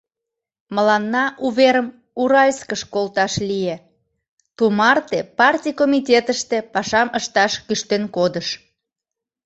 Мыланна уверым Уральскыш колташ лие, тумарте партий комитетыште пашам ышташ кӱштен кодыш.